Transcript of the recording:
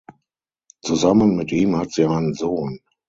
Zusammen mit ihm hat sie einen Sohn.